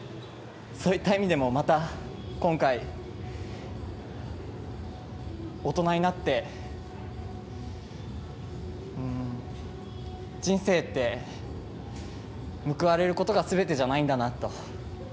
そういった意味でもまた、今回、大人になって人生って報われることが全てじゃないんだなと。